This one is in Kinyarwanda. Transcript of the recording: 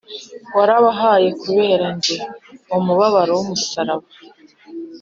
Warabahaye kubera jyewe, Umubabaro w'umusaraba